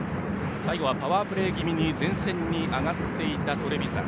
最後はパワープレー気味に前線に上がっていたトレヴィザン。